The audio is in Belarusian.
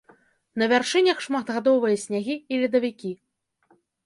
На вяршынях шматгадовыя снягі і ледавікі.